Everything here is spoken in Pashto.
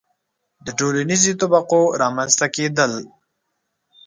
• د ټولنیزو طبقو رامنځته کېدل.